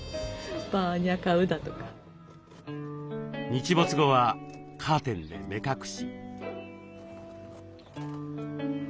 日没後はカーテンで目隠し。